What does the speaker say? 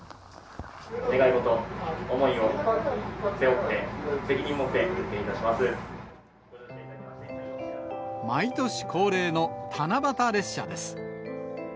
願い事、思いを背負って、毎年恒例の七夕列車です。